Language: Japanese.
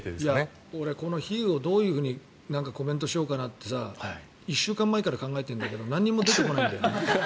俺、これをどうコメントしようかなって１週間前から考えてるんだけど何も出てこないんだよね。